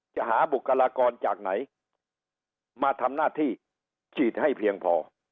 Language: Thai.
จะหาบุคลากรจากไหนมาทำหน้าที่ฉีดให้เพียงพอ